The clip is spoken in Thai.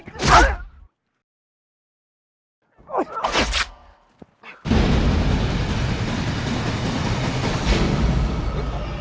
ช่วยชั้น